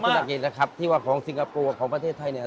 คุณนักกิจนะครับที่ว่าของสิงกับกุ๋ภาพของประเทศไทยเนี่ย